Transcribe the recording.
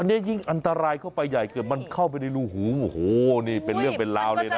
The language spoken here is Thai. อันนี้ยิ่งอันตรายเข้าไปใหญ่เกิดมันเข้าไปในรูหูโอ้โหนี่เป็นเรื่องเป็นราวเลยนะ